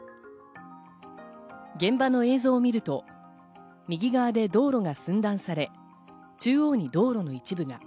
現場の映像を見ると、右側で道路が寸断され、中央に道路の一部が。